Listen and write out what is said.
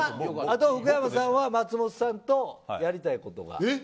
福山さんは松本さんとやりたいことが。